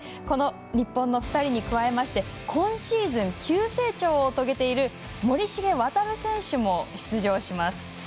この日本の２人に加えまして今シーズン、急成長を遂げている森重航選手も出場します。